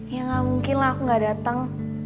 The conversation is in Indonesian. ya gak mungkin lah aku gak datang